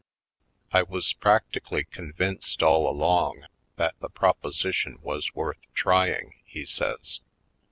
"I was practically convinced all along that the proposition was worth trying," he says.